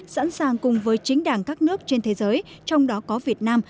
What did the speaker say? sẵn sàng cùng với chính đảng các nước trên thế giới trong đó có việt nam